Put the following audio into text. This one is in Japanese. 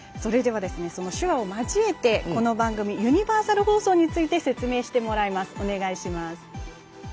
手話を交えてこの番組ユニバーサル放送について説明してもらいます。